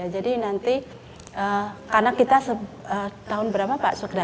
jadi nanti karena kita tahun berapa pak